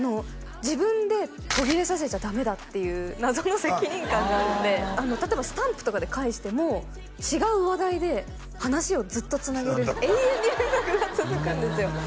自分で途切れさせちゃダメだっていう謎の責任感があるんで例えばスタンプとかで返しても違う話題で話をずっとつなげる永遠に連絡が続くんですよ